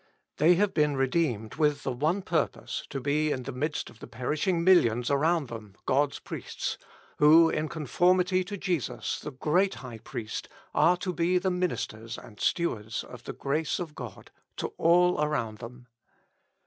They have been redeemed with the one purpose to be in the midst of the perishing millions around them God's priests, who in conformity to Jesus, the Great High Priest, are to be the ministers and stewards of the grace of God to all around them.